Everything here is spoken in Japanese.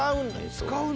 「使うの？」